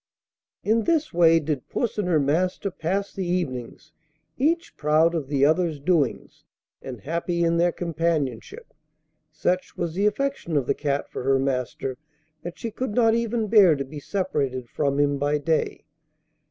In this way did puss and her master pass the evenings, each proud of the other's doings, and happy in their companionship. Such was the affection of the cat for her master, that she could not even bear to be separated from him by day.